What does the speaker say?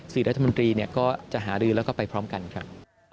๔รัฐมนตรีเนี่ยก็จะหารือแล้วก็ไปพร้อมกันครับ